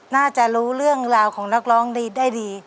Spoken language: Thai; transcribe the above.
น่าจะรู้เรื่องราวของนักร้องได้ดี